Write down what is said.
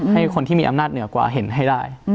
ให้คนที่มีอำนาจเหนือกว่าเห็นให้ได้